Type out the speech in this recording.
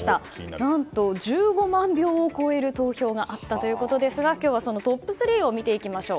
何と、１５万票を超える投票があったということですが今日はそのトップ３を見ていきましょう。